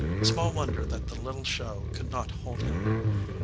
Small won der that the little show could not hold him.